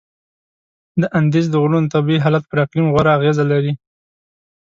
د اندیز د غرونو طبیعي حالت پر اقلیم غوره اغیزه لري.